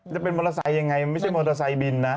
จะเป็นมอเตอร์ไซค์ยังไงไม่ใช่มอเตอร์ไซค์บินนะ